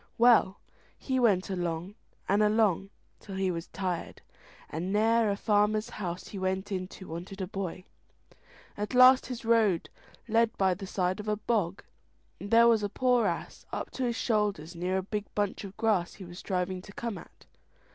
Well, he went along and along till he was tired, and ne'er a farmer's house he went into wanted a boy. At last his road led by the side of a bog, and there was a poor ass up to his shoulders near a big bunch of grass he was striving to come at.